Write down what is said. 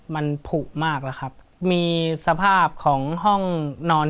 มันผูกมากแล้วครับมีสภาพของห้องนอน